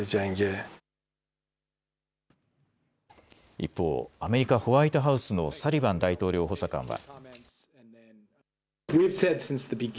一方、アメリカ・ホワイトハウスのサリバン大統領補佐官は。